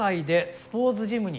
スポーツジムを？